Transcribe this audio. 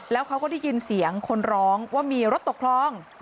แล้วเขาก็ได้ยินเสียงคนร้องว่ามีรถตกคลอง